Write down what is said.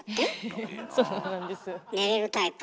寝れるタイプ？